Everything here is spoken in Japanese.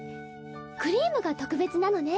クリームが特別なのね。